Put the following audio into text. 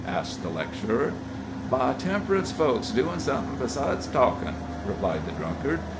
asked the lecturer. "By temp'rance folks doin' somethin' beside talkin'," replied the drunkard.